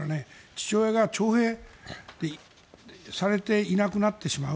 父親が徴兵されていなくなってしまう。